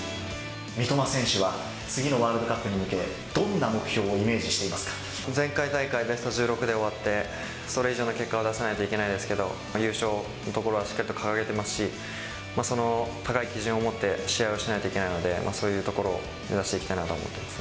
三笘選手は次のワールドカップに向け、どんな目標をイメージして前回大会、ベスト１６で終わって、それ以上の結果を出さないといけないんですけど、優勝というところはしっかりと掲げてますし、その高い基準を持って試合をしないといけないので、そういうところを目指していきたいなと思ってます。